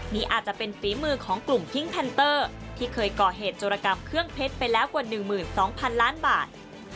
นี่อาจจะเป็นฝีมือของกลุ่มพิงแพนเตอร์ที่เคยก่อเหตุโจรกรรมเครื่องเพชรไปแล้วกว่า๑๒๐๐๐ล้านบาท